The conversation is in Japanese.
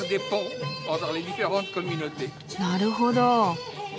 なるほど。